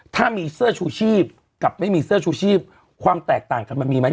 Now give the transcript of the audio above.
ถ้ามีเสื้อชูชีพกับไม่มีเสื้อชูชีพความแตกต่างกันมันมีไหม